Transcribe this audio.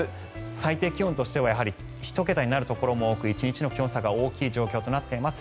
最低気温としては１桁になるところも多く１日の気温差が大きくなります。